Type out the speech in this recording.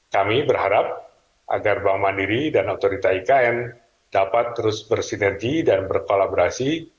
kami berharap agar bank mandiri dan otorita ikn dapat terus bersinergi dan berkolaborasi